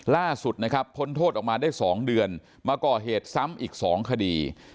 ล่าสุดนะครับพ้นโทษออกมาได้๒เดือนมาก่อเหตุซ้ำอีก๒คดี